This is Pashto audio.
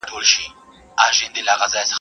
پر پوست سکه نه وهل کېږي.